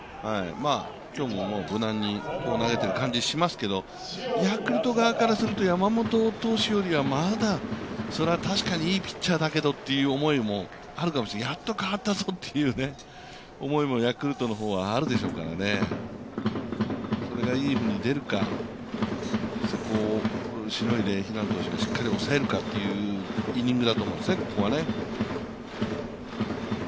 今日も無難に投げている感じがしますけど、ヤクルト側からすると山本投手よりはまだ、確かにいいピッチャーだけどという思いもあるかもしれないけどやっと変わったぞという思いもヤクルトの方はあるでしょうからね、それがいいふうに出るか、そこをしのいで平野投手がしっかり抑えるかというイニングだと思いますね。